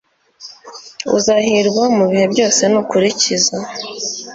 uzahirwa mu bihe byose, nukurikiza